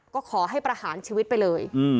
ก็ขอให้ประหารชีวิตไปเลย